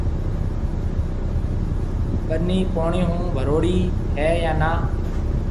ٻنِي پوڻِي هون ڀروڙِي هيَ يان نآ